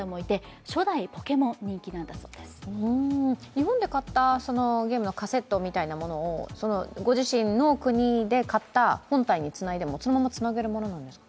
日本で買ったゲームのカセットみたいなものをご自身の国で買った本体につないでも、そのままつなげるものなんですか？